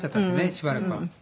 しばらくは。